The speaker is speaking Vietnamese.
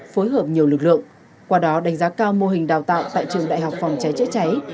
phối hợp nhiều lực lượng qua đó đánh giá cao mô hình đào tạo tại trường đại học phòng cháy chữa cháy